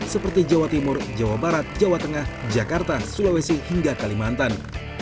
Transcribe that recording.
seperti jawa timur jawa barat jawa tengah jakarta sulawesi hingga kalimantan